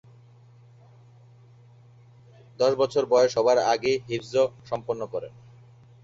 দশ বছর বয়স হবার আগেই হিফজ সম্পন্ন করেন।